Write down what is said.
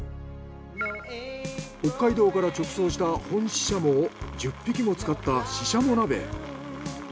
北海道から直送した本シシャモを１０匹も使ったシシャモ鍋。